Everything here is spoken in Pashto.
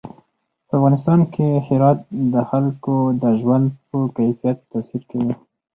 په افغانستان کې هرات د خلکو د ژوند په کیفیت تاثیر کوي.